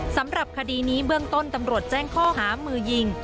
สำหรับคดีนี้เบื้องต้นตำรวจแจ้งข้อหามือยิง